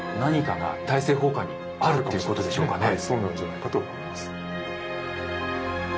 はいそうなんじゃないかと思います。